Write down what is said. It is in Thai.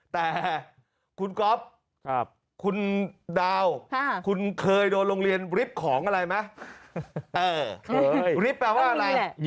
แต่คุณกรอปคุณดาวคุณเคยโดนโรงเรียนลิฟต์ของอะไรมั้ย